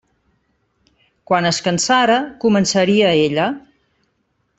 Quan es cansara començaria ella.